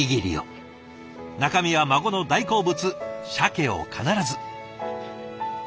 中身は孫の大好物しゃけを必ず。